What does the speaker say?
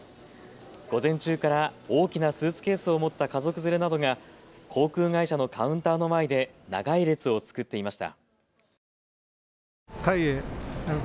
午前中から大きなスーツケースを持った家族連れなどが航空会社のカウンターの前で長い列を作っていました。